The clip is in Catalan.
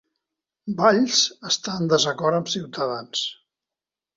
Valls està en desacord amb Ciutadans